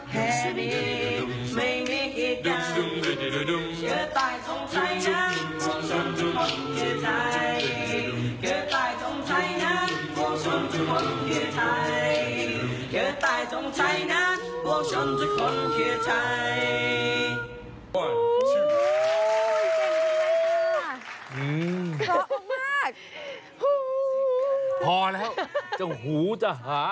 ปวงชนทุกคนคือไทย